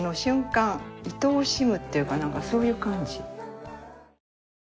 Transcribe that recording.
いとおしむっていうかなんかそういう感じ。